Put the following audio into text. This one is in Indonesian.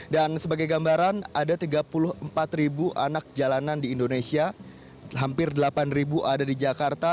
dan sebagai gambaran ada tiga puluh empat ribu anak jalanan di indonesia hampir delapan ribu ada di jakarta